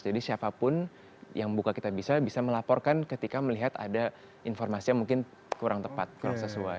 jadi siapapun yang buka kitabisa bisa melaporkan ketika melihat ada informasi yang mungkin kurang tepat kurang sesuai